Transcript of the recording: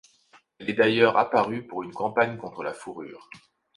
Elle est d'ailleurs apparue pour une campagne contre la fourrure.